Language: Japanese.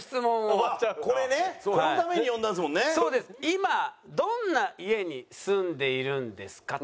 今どんな家に住んでいるんですか？